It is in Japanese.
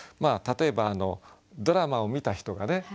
例えばドラマを見た人がね